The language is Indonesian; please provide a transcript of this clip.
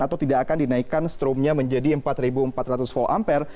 atau tidak akan dinaikkan stromnya menjadi empat empat ratus volt ampere